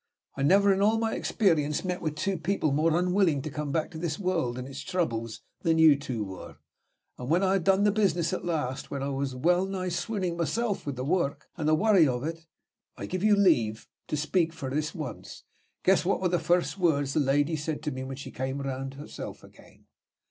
I never, in all my experience, met with two people more unwilling to come back to this world and its troubles than you two were. And when I had done the business at last, when I was wellnigh swooning myself with the work and the worry of it, guess I give you leave to speak for this once guess what were the first words the lady said to me when she came to herself again."